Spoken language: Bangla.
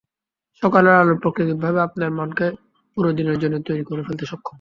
সকালের আলো প্রাকৃতিকভাবে আপনার মনকে পুরো দিনের জন্য তৈরি করে ফেলতে সক্ষম।